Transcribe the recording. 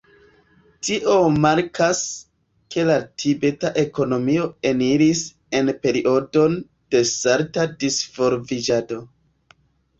Tio markas, ke la tibeta ekonomio eniris en periodon de salta disvolviĝado.